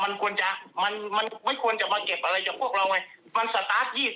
มันควรจะมันไม่ควรจะมาเก็บอะไรจากพวกเราไง